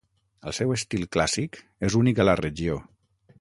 El seu estil clàssic és únic a la regió.